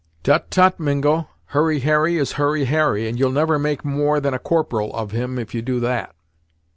"Tut tut Mingo; Hurry Harry is Hurry Harry, and you'll never make more than a corporal of him, if you do that.